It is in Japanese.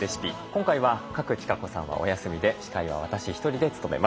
今回は賀来千香子さんはお休みで司会は私１人で務めます。